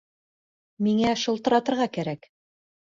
Миңә шылтыратырға кәрәк